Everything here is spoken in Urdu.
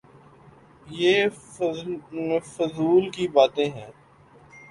یہ فضول کی باتیں ہیں۔